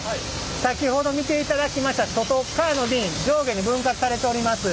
先ほど見ていただきました外っかわの瓶上下に分割されております。